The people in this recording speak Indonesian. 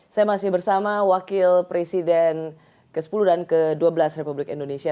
saya masih bersama wakil presiden ke sepuluh dan ke dua belas republik indonesia